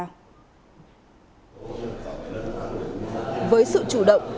với sự chủ động quốc gia đã đảm bảo an ninh điều tra công an tỉnh vĩnh long